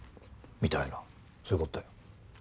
みたいなそういうことだよ。